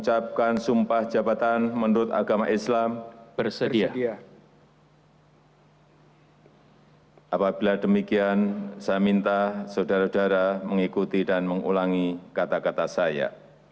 apabila demikian saya minta saudara saudara mengikuti dan mengulangi kata kata saya